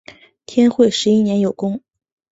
天会十一年有功。